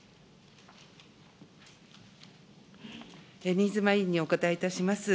新妻委員にお答えいたします。